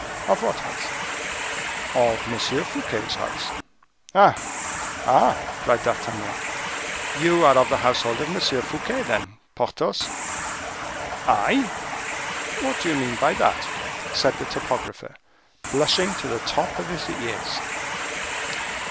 "Of what house?" "Of M. Fouquet's house." "Ah! ah!" cried D'Artagnan, "you are of the household of M. Fouquet, then, Porthos?" "I! what do you mean by that?" said the topographer, blushing to the top of his ears.